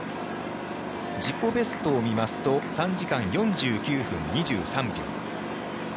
自己ベストを見ますと３時間４９分２３秒。